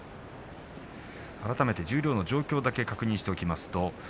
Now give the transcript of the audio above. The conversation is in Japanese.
改めて新十両の状況を確認しておきます。